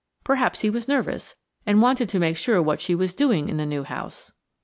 Perhaps he was nervous, and wanted to make sure what she was doing in the new house!